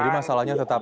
jadi masalahnya tetap